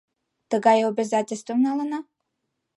Тыгай обязательствым налына?